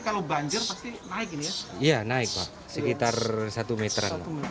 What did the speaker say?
kalau banjir pasti naik ya naik sekitar satu meter